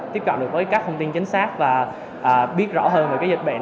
tiếp cận được với các thông tin chính xác và biết rõ hơn về cái dịch bệnh